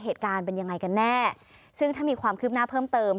เหตุการณ์เป็นยังไงกันแน่ซึ่งถ้ามีความคืบหน้าเพิ่มเติม